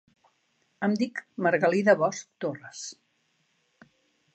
Em dic Margalida Bosch Torres.